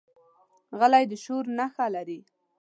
غلی، د شعور نښه لري.